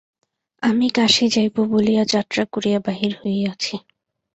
আমি কাশী যাইব বলিয়া যাত্রা করিয়া বাহির হইয়াছি।